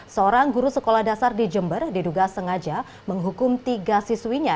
seorang guru sekolah dasar di jember diduga sengaja menghukum tiga siswinya